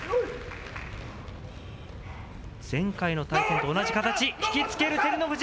前回の取組と同じ形、引きつける照ノ富士。